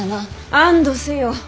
安堵せよ。